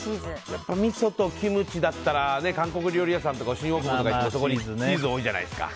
やっぱりみそとキムチだったら韓国料理屋さんとか新大久保とか行ってもチーズ多いじゃないですか。